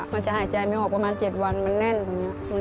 มันจะหายใจไม่ออกประมาณ๗วันมันแน่นตรงนี้